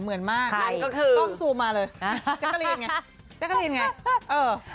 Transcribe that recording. คือกริ๊ปต้องซูมมาเลย